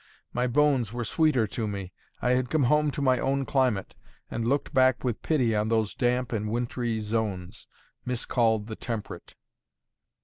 My bones were sweeter to me. I had come home to my own climate, and looked back with pity on those damp and wintry zones, miscalled the temperate.